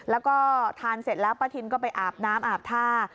แล้วก็ทานเสร็จแล้วป้าทินก็ไปอาบน้ำอาบท่า